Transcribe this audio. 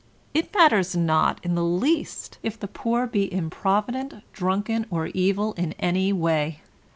It matters not in the least if the poor be improvident, drunken, or evil in any way.